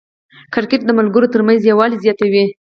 کرکټ د ملګرو ترمنځ یووالی زیاتوي.